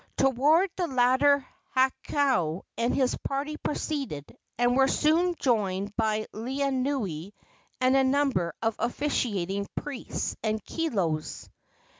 Toward the latter Hakau and his party proceeded, and were soon joined by Laeanui and a number of officiating priests and kilos.